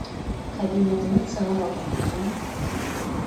Кабинетынан сығыр алдынан ғына